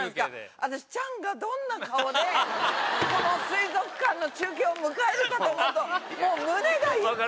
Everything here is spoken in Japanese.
私チャンがどんな顔でこの「水族館」の中継を迎えるかと思うともう胸が。